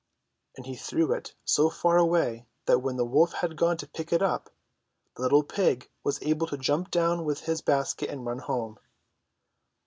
And he threw it so far away, that when the wolf had gone to pick it up, the little pig was able to jump down with his basket and run home.